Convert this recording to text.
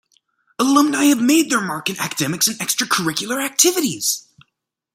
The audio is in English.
Alumni have made their mark in academics and extra curricular activities.